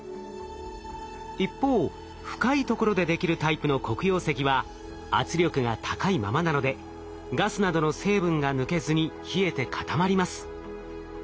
一方深いところでできるタイプの黒曜石は圧力が高いままなのでガスなどの成分が抜けずに冷えて固まります。